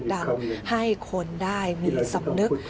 สำหรับพิพันธ์ก็จะอีกคำหนึ่ง